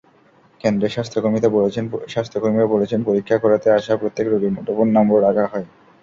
কেন্দ্রের স্বাস্থ্যকর্মীরা বলেছেন, পরীক্ষা করাতে আসা প্রত্যেক রোগীর মুঠোফোন নম্বর রাখা হয়।